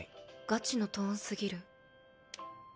ガチのトーンすぎる。